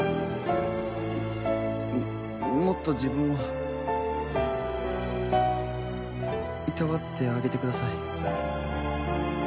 もっと自分をいたわってあげてください